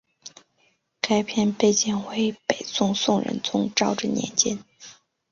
该片背景为北宋宋仁宗赵祯年间。